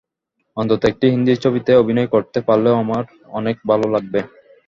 অন্তত একটি হিন্দি ছবিতে অভিনয় করতে পারলেও আমার অনেক ভালো লাগবে।